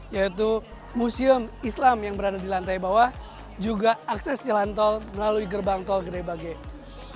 yaitu museum islam yang berada di lantai bawah juga akses jalan tol melalui gerbang tol gede bage